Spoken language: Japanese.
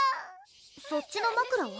そっちの枕は？